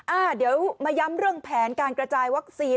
อ่าเดี๋ยวมาย้ำเรื่องแผนการกระจายวัคซีน